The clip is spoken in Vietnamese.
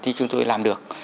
thì chúng tôi làm được